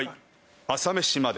朝メシまで。